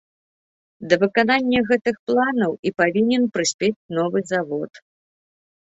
Да выканання гэтых планаў і павінен прыспець новы завод.